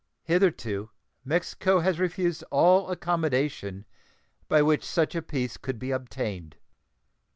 Hitherto Mexico has refused all accommodation by which such a peace could be obtained.